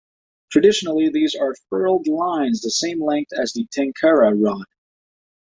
Traditionally these are furled lines the same length as the tenkara rod.